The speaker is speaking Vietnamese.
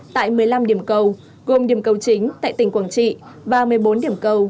tại một mươi năm điểm cầu gồm điểm cầu chính tại tỉnh quảng trị và một mươi bốn điểm cầu